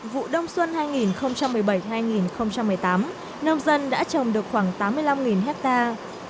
vụ đông xuân hai nghìn một mươi bảy hai nghìn một mươi tám nông dân đã trồng được khoảng tám mươi năm hectare